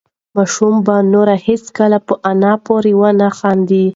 ماشوم به نور هېڅکله په انا پورې ونه خاندي.